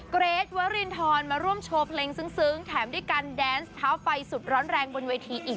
เกรทวรินทรมาร่วมโชว์เพลงซึ้งแถมด้วยการแดนส์เท้าไฟสุดร้อนแรงบนเวทีอีก